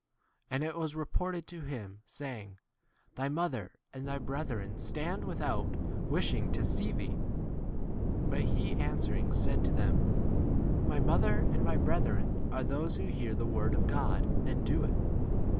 And it was reported to him, saying, Thy mother and thy brethren stand without wishing to see thee. 21 But he answering said to them, My mother and my brethren are those who hear the word of God and do [it].